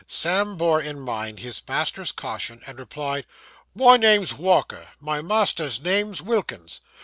Sam bore in mind his master's caution, and replied 'My name's Walker; my master's name's Wilkins.